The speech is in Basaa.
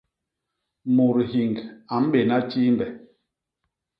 Mut hiñg a mbéna tjiimbe.